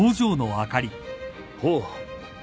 ほう。